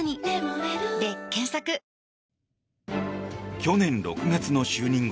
去年６月の就任後